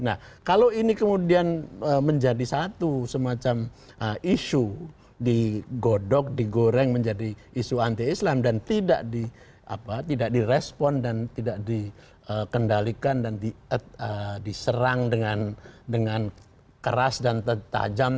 nah kalau ini kemudian menjadi satu semacam isu digodok digoreng menjadi isu anti islam dan tidak direspon dan tidak dikendalikan dan diserang dengan keras dan tertajam